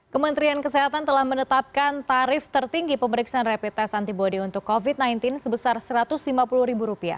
kementerian kesehatan telah menetapkan tarif tertinggi pemeriksaan rapid test antibody untuk covid sembilan belas sebesar rp satu ratus lima puluh